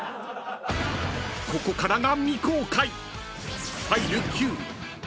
［ここからが未公開］